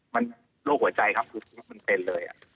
มันโรคหัวใจครับรู้สึกว่ามันเป็นเลยอ่ะ